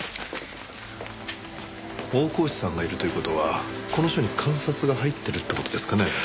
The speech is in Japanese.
大河内さんがいるという事はこの署に監察が入ってるって事ですかね？